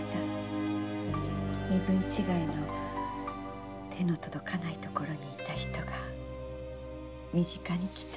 身分違いの手の届かない所にいた人が身近に来た。